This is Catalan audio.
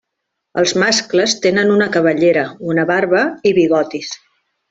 Els mascles tenen una cabellera, una barba i bigotis.